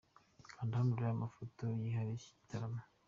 Kanda hano urebe amafoto yihariye y’iki gitaramo.